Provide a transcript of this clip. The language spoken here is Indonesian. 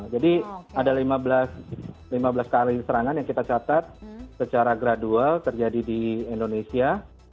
jadi ada lima belas kali serangan yang kita catat secara gradual terjadi di indonesia